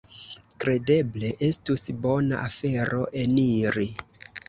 Kredeble estus bona afero eniri.